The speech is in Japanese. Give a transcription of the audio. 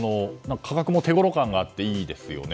価格も手ごろ感があっていいですよね。